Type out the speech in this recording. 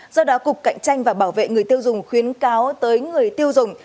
do đó cục cạnh tranh và bảo vệ người tiêu dùng khuyến cáo tới người tiêu dùng